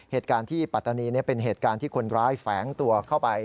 เหตุการณ์ที่ปัตตานีเป็นเหตุการณ์ที่คนร้ายแฝงตัวเข้าไป